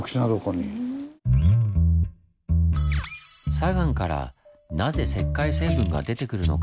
砂岩からなぜ石灰成分が出てくるのか？